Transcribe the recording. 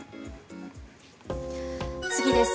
次です。